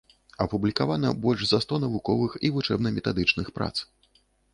Апублікавана больш за сто навуковых і вучэбна-метадычных прац.